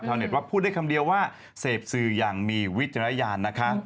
เน็ตว่าพูดได้คำเดียวว่าเสพสื่ออย่างมีวิจารณญาณนะคะ